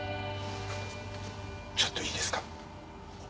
ちょっといいですか？